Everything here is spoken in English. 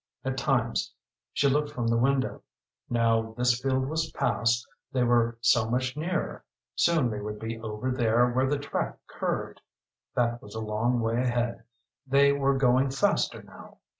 At times she looked from the window. Now this field was past they were so much nearer. Soon they would be over there where the track curved that was a long way ahead. They were going faster now.